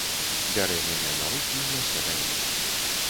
Бярэ мяне на рукі і нясе далей.